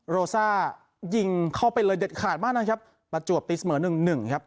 โรซ่ายิงเข้าไปเลยเด็ดขาดมากนะครับประจวบตีเสมอหนึ่งหนึ่งครับ